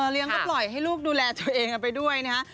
เลี้ยงก็ปล่อยให้ลูกดูแลตัวเองกันไปด้วยนะฮะ